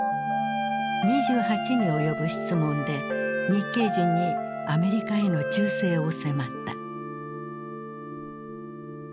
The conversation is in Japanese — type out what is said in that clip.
２８に及ぶ質問で日系人にアメリカへの忠誠を迫った。